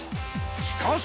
しかし。